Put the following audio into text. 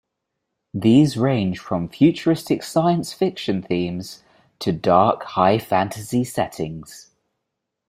These range from futuristic science fiction themes to dark, high fantasy settings.